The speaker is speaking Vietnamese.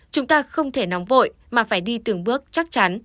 chúng ta không thể nóng vội mà phải đi từng bước chắc chắn